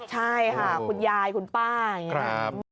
ใช่ค่ะคุณยายคุณป้าอย่างนี้ครับ